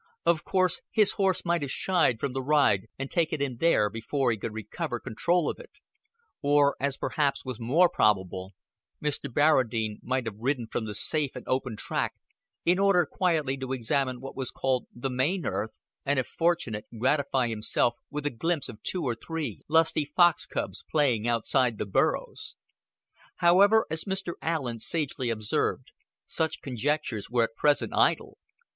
Of course, his horse might have shied from the ride and taken him there before he could recover control of it; or, as perhaps was more probable, Mr. Barradine might have ridden from the safe and open track in order quietly to examine what was called the main earth, and, if fortunate, gratify himself with a glimpse of two or three lusty fox cubs playing outside the burrows. However, as Mr. Allen sagely observed, such conjectures were at present idle.